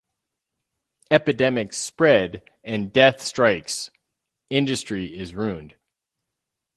Epidemics spread and death strikes-industry is ruined.